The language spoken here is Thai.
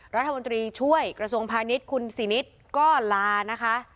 รัฐมนตรีช่วยกระทรวงพาณิชย์คุณสินิตก็ลานะคะ